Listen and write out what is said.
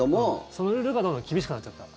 そのルールがどんどん厳しくなっちゃった。